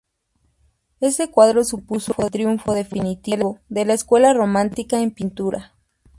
Este cuadro supuso el triunfo definitivo de la escuela romántica en pintura.